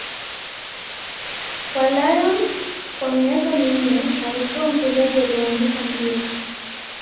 Kwa Lyon kwa miaka minne, alikuwa mchezaji aliyeanzisha mpira.